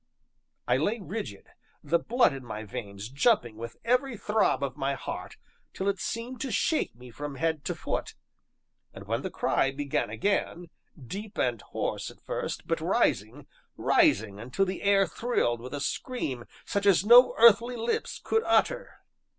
I lay rigid, the blood in my veins jumping with every throb of my heart till it seemed to shake me from head to foot. And then the cry began again, deep and hoarse at first, but rising, rising until the air thrilled with a scream such as no earthly lips could utter.